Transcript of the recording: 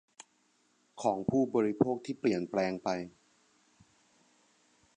ของผู้บริโภคที่เปลี่ยนแปลงไป